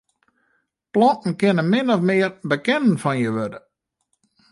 Planten kinne min of mear bekenden fan je wurde.